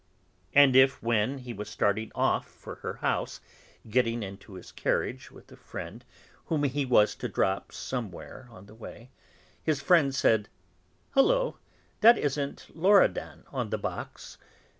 And if, when he was starting off for her house, getting into his carriage with a friend whom he was to drop somewhere on the way, his friend said: "Hullo! that isn't Loredan on the box?"